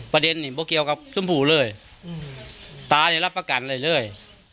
ประเด็นนี้ไม่เกี่ยวกับชมพูเลยตาเนี่ยรับประกันเรื่อย